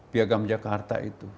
piagam jakarta itu